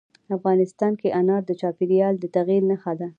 افغانستان کې انار د چاپېریال د تغیر نښه ده.